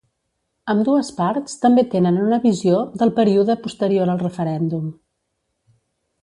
Ambdues parts també tenen una visió del període posterior al referèndum.